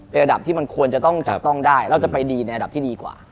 เป็นระดับที่มันควรจะต้องจับต้องได้เราจะไปดีในระดับที่ดีกว่า